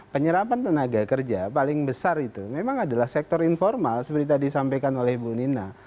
penyerapan tenaga kerja paling besar itu memang adalah sektor informal seperti tadi disampaikan oleh bu nina